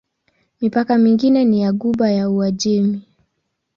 Mipaka mingine ni ya Ghuba ya Uajemi.